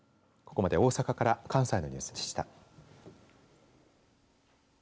ここまで大阪から関西のニュースでした。